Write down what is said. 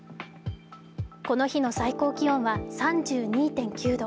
この日の最高気温は３２．９度。